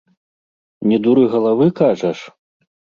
Не дуры галавы, кажаш?